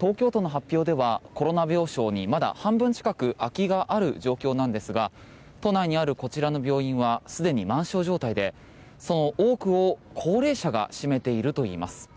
東京都の発表ではコロナ病床にまだ半分近く空きがある状況なんですが都内にあるこちらの病院はすでに満床状態で、その多くを高齢者が占めているといいます。